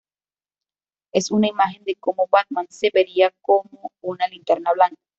Es una imagen de cómo Batman se vería como una Linterna Blanca.